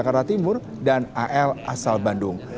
jakarta timur dan al asal bandung